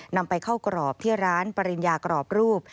นำไปเข้ากรอบที่ร้านปริญญากรอบรูป